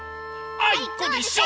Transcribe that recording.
あいこでしょ！